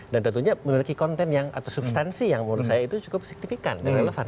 dan tentunya memiliki konten atau substansi yang menurut saya itu cukup signifikan dan relevan